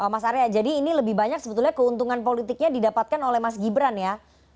mas arya jadi ini lebih banyak sebetulnya keuntungan politiknya didapatkan oleh mas gibran ya